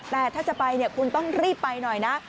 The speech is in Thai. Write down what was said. แต่ถ้าจะไปคุณต้องรีบไปหน่อยนะ